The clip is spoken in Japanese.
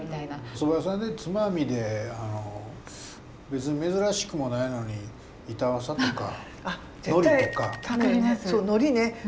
お蕎麦屋さんでつまみで別に珍しくもないのに板わさとか海苔とか。